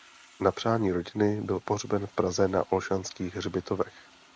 Na přání rodiny byl pohřben v Praze na Olšanských hřbitovech.